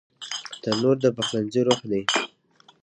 تنور د پخلنځي روح دی